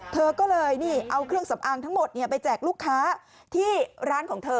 เธอก็เลยนี่เอาเครื่องสำอางทั้งหมดไปแจกลูกค้าที่ร้านของเธอ